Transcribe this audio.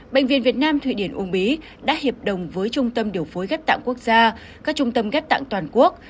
bệnh viện việt nam thụy điển ung bí đã hiệp đồng với trung tâm điều phối ghép tạng quốc gia các trung tâm ghép tạng toàn quốc